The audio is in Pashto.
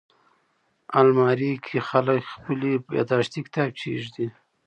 الماري کې خلک خپلې یاداښتې کتابچې ایږدي